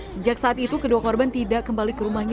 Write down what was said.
sejak saat itu kedua korban tidak kembali ke rumahnya